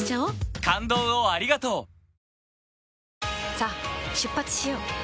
さあ出発しよう。